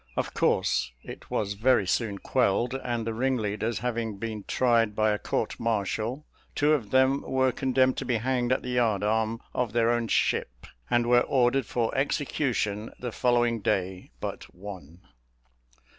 Of course it was very soon quelled; and the ringleaders having been tried by a court martial, two of them were condemned to be hanged at the yard arm of their own ship, and were ordered for execution the following day but one.